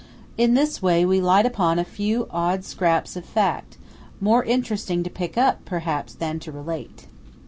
In this way we light upon a few odd scraps of fact, more interesting to pick up, perhaps, than to relate.